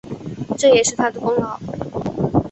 这也是他的功劳